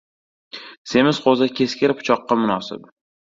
• Semiz qo‘zi keskir pichoqqa munosib.